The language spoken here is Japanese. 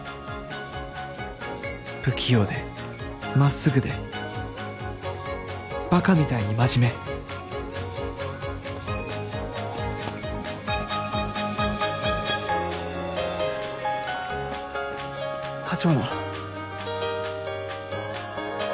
不器用で真っすぐでばかみたいに真面目橘？